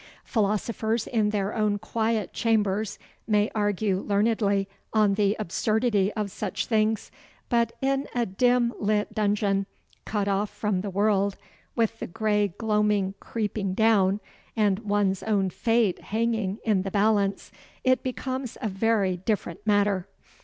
Philosophers in their own quiet chambers may argue learnedly on the absurdity of such things, but in a dim lit dungeon, cut off from the world, with the grey gloaming creeping down, and one's own fate hanging in the balance, it becomes a very different matter.